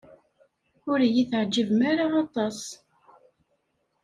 Ur iyi-teɛjibem ara aṭas.